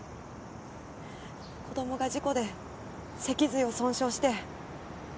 子供が事故で脊髄を損傷して。